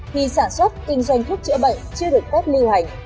khi sản xuất kinh doanh thuốc chữa bệnh chưa được phép lưu hành